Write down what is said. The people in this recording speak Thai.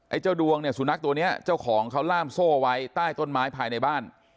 เจ้าดวงเนี่ยสุนัขตัวนี้เจ้าของเขาล่ามโซ่ไว้ใต้ต้นไม้ภายในบ้าน